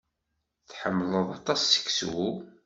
Tḥemmleḍ aṭas seksu?